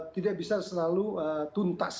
tidak bisa selalu tuntas